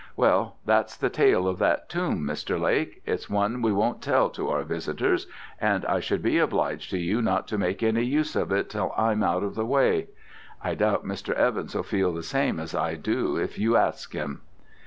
"Well, that's the tale of that tomb, Mr. Lake; it's one we don't tell to our visitors, and I should be obliged to you not to make any use of it till I'm out of the way. I doubt Mr. Evans'll feel the same as I do, if you ask him."